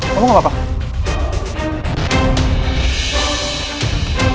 kamu gak apa apa